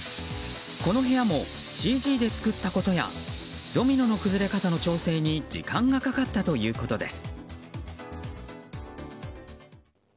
この部屋もＣＧで作ったことやドミノの崩れ方の調整に時間がかかったということです。